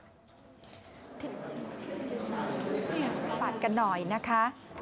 เนี่ยปัดกันหน่อยนะคะ